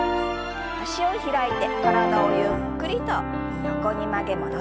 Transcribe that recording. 脚を開いて体をゆっくりと横に曲げ戻しましょう。